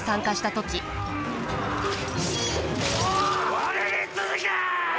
我に続け！